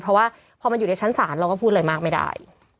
เพราะว่าพอมันอยู่ในชั้นศาลเราก็พูดอะไรมากไม่ได้